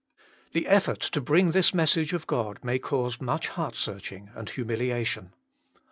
The effort to bring this message of God may cause much heart searching and humiliation.